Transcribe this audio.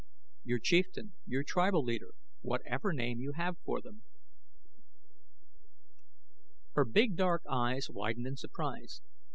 "Your chieftain; your tribal leader whatever name you have for them." Her big, dark eyes widened in surprise.